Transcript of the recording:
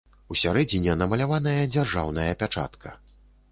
У сярэдзіне намаляваная дзяржаўная пячатка.